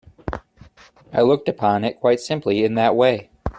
I looked upon it quite simply in that way.